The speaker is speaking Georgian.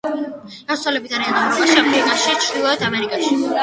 გავრცელებული არიან ევროპაში, აფრიკაში, ჩრდილოეთ ამერიკაში.